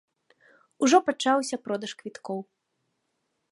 Ужо пачаўся продаж квіткоў.